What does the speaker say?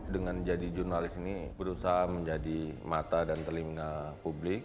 dengan jadi jurnalis ini berusaha menjadi mata dan telinga publik